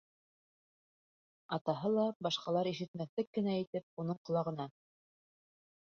Атаһы ла, башҡалар ишетмәҫлек кенә итеп, уның ҡолағына: